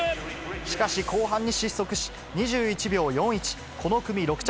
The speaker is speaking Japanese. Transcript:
しかし、後半に失速し、２１秒４１、この組６着。